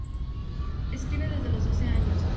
Escribe desde los doce años.